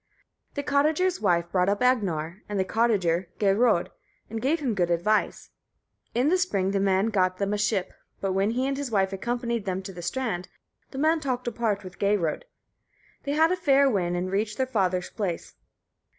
The cottager's wife brought up Agnar, and the cottager, Geirröd, and gave him good advice. In the spring the man got them a ship; but when he and his wife accompanied them to the strand, the man talked apart with Geirröd. They had a fair wind, and reached their father's place.